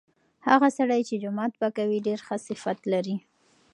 هغه سړی چې جومات پاکوي ډیر ښه صفت لري.